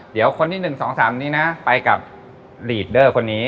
เดี๋ยวคนที่๑๒๓นี้นะไปกับลีดเดอร์คนนี้